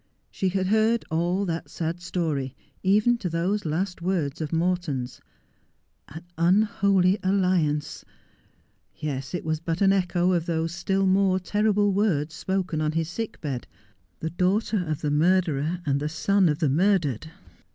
She had heard all that sad story — even to those last words of Morton's. ' An unholy alliance !' Yes ; it was but an echo of those still more terrible words spoken on his sick bed, —' The daughter of the murderer, the son of the murdered